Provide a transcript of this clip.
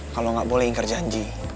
kalau gak boleh inget janji